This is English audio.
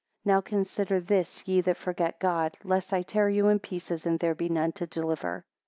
13 Now consider this ye that forget God, lest I tear you in pieces, and there be none to deliver.